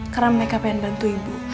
karena meka pengen bantu ibu